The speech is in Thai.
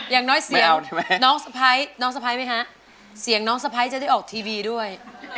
อย่างน้อยเสียงน้องสะพ้ายน้องสะพ้ายไหมฮะเสียงน้องสะพ้ายจะได้ออกทีวีด้วย